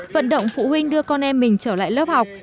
vận động phụ huynh đưa con em mình trở lại lớp học